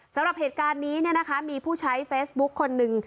สำหรับเหตุการณ์นี้มีผู้ใช้เฟซบุ๊คคนหนึ่ง